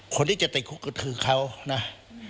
คนที่จะติดคุกก็คือเขานะ